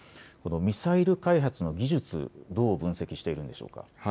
ミサイル開発の技術、どう分析しているんでしょうか。